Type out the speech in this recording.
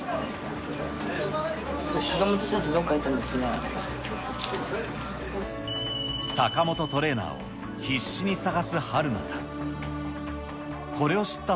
坂本先生、坂本トレーナーを必死に探すはるなさん。